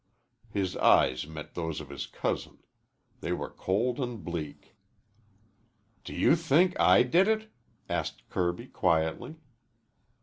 His eyes met those of his cousin. They were cold and bleak. "Do you think I did it?" asked Kirby quietly.